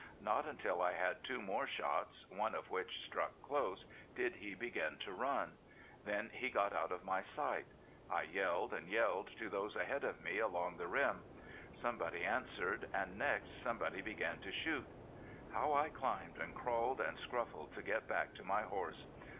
Not until I had two more shots, one of which struck close, did he begin to run. Then he got out of my sight. I yelled and yelled to those ahead of me along the rim. Somebody answered, and next somebody began to shoot. How I climbed and crawled and scuffled to get back to my horse!